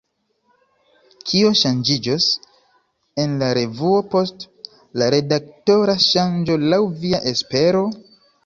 Kio ŝanĝiĝos en la revuo post la redaktora ŝanĝo, laŭ via espero?